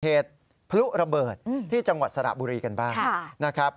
เหตุพลุระเบิดที่จังหวัดสระบุรีกันบ้างนะครับ